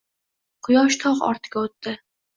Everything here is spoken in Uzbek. Quyosh tog‘ ortiga o‘tdi.